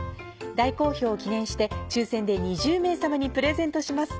大好評を記念して抽選で２０名様にプレゼントします。